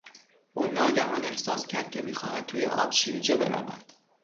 او ناگهان احساس کرد که میخواهد توی آب شیرجه برود.